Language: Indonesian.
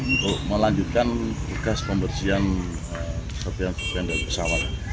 untuk melanjutkan tugas pembersihan pesawat